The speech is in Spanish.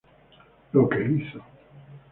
Lo que hizo.